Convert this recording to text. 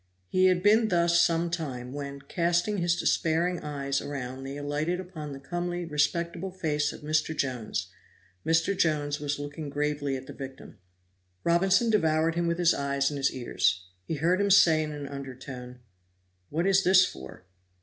He had been thus some time, when, casting his despairing eyes around they alighted upon the comely, respectable face of Mr. Jones. Mr. Jones was looking gravely at the victim. Robinson devoured him with his eyes and his ears. He heard him say in an undertone: "What is this for?"